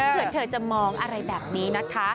เพื่อเธอจะมองอะไรแบบนี้นะคะ